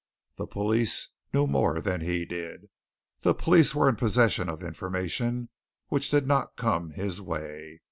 The police knew more than he did. The police were in possession of information which had not come his way.